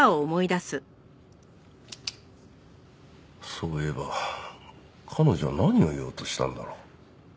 そういえば彼女は何を言おうとしたんだろう？